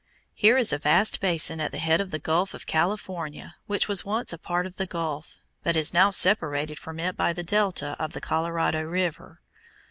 Here is a vast basin at the head of the Gulf of California which was once a part of the gulf, but is now separated from it by the delta of the Colorado River.